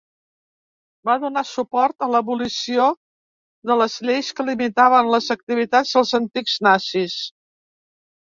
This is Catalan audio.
Va donar suport a l'abolició de les lleis que limitaven les activitats dels antics nazis.